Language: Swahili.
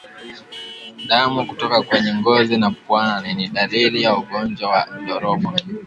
Damu kutoka kwenye ngozi na puani ni dqlili ya ugonjwa wa ndorobo